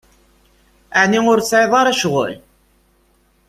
Ɛni ur tesɛiḍ ara ccɣel?